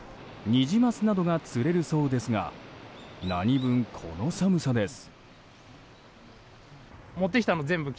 ニジマスなどが釣れるそうですが何分、この寒さです。